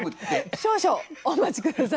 少々お待ち下さい。